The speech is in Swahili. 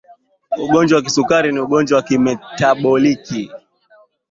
ugonjwa wa kisukari ni ugonjwa wa kimetaboliki